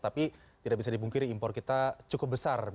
tapi tidak bisa dipungkiri impor kita cukup besar